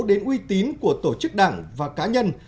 đến uy tín của tổ chức đảng và cá nhân